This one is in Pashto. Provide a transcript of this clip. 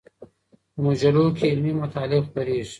په مجلو کي علمي مطالب خپریږي.